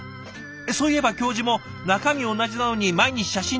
そういえば教授も中身同じなのに毎日写真撮ってましたね。